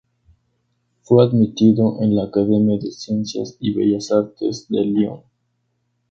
Fue admitido en la Academia de Ciencias y Bellas Artes de Lyon.